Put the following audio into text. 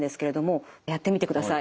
やってみてください。